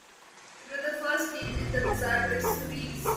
It was the first game in the "Wizardry" series.